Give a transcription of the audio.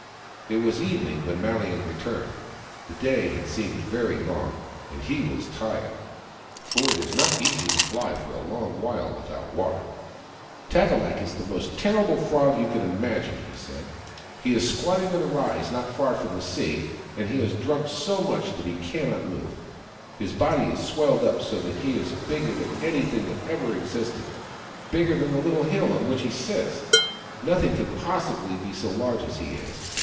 It was evening when Malian returned. The day had seemed very long, and he was tired, for it is not easy to fly for a long while without water. " Tat e lak is the most terrible Frog you could imagine," he said. " He is squatting on a rise not far from the sea, and he has drunk so much that he cannot move. His body is swelled up so that he is bigger than anything that ever existed : bigger than the little hill on which he sits. Nothing could possibly be so large as he is.